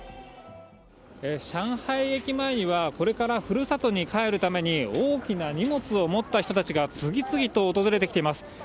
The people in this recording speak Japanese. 上海駅前には、これからふるさとに帰るために、大きな荷物を持った人たちが次々と訪れてきています。